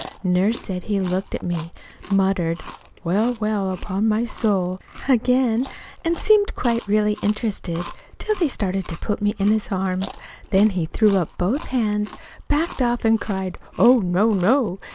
Nurse said he looked at me, muttered, "Well, well, upon my soul!" again, and seemed really quite interested till they started to put me in his arms. Then he threw up both hands, backed off, and cried, "Oh, no, no!"